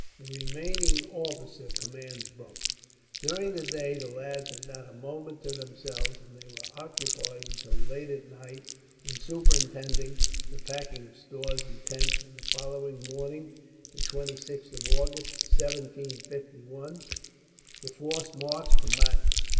The remaining officer commands both." During the day the lads had not a moment to themselves, and were occupied until late at night in superintending the packing of stores and tents; and the following morning, the 26th of August, 1751, the force marched from Madras.